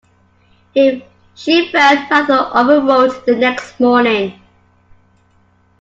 He felt rather overwrought the next morning.